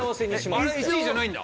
あれ１位じゃないんだ？